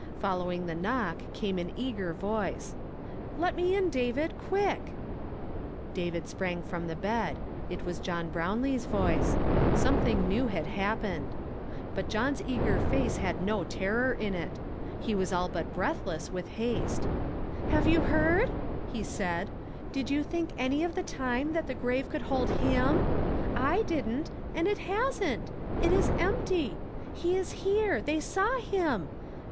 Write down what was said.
Following the knock, came an eager voice :" Let me in, David, quick !" David sprang from the bed ; it was John Hrownlee's voice ; something new had happened. Hut John's eager face had no terror in it. He was ail but breathless with haste. f •[ 828 YESTERDAY PKAMED IN TO tAY. " Have you heard ?" he said. '' Did you think any of the time that the gmve couhl liohl him'/ I didn't; and'it liasn't! It is empty ! He is here I they saw liim